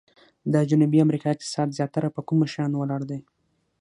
د جنوبي امریکا اقتصاد زیاتره په کومو شیانو ولاړ دی؟